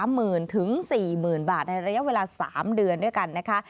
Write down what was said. หมื่นถึง๔๐๐๐บาทในระยะเวลา๓เดือนด้วยกันนะคะ